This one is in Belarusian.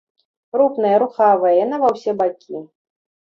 Рупная, рухавая, яна ва ўсе бакі.